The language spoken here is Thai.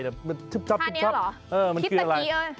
ท่านี้เหรอคิดตะกี้